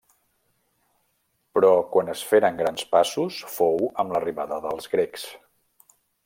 Però quan es feren grans passos fou amb l'arribada dels grecs.